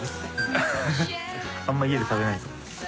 あんまり家で食べないですか？